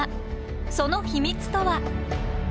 その秘密とは。